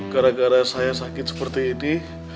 gara gara saya sakit seperti ini